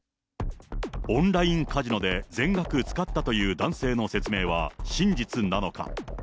オンラインカジノで全額使ったという男性の説明は、真実なのか。